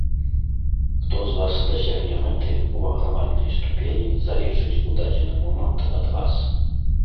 Хто з вас дасягне мэты, у аграмаднай ступені залежыць у дадзены момант ад вас.